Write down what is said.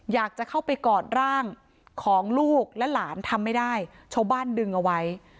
อยากจะเข้าไปกอดร่างของลูกและหลานทำไม่ได้ชาวบ้านดึงเอาไว้